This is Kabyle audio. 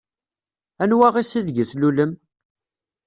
Anwa ass ideg tlulem?